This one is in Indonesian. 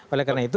oleh karena itu